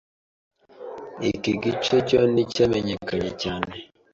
iki gice cyo nticyamenyekanye cyane